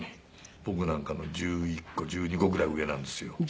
僕なんかの１１個１２個ぐらい上なんですよ。